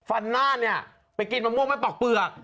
ฟันหน้านี่ไปกินมะม่วงมัวปอกเบือก